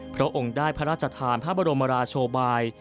พระองค์ได้พระราชทานพระบรมราชบาย